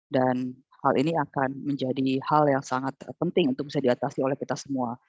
dan hal ini akan menjadi hal yang sangat penting untuk bisa diatasi oleh kita semua